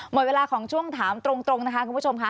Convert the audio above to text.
หมดเวลาของช่วงถามตรงนะคะคุณผู้ชมค่ะ